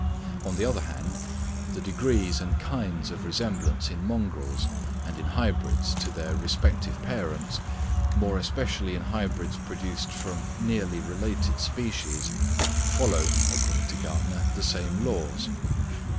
On the other hand, the degrees and kinds of resemblance in mongrels and in hybrids to their respective parents, more especially in hybrids produced from nearly related species, follow, according to Gärtner the same laws.